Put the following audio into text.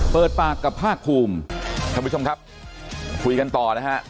เปิดปากกับภาคภูมิท่านผู้ชมครับคุยกันต่อนะฮะ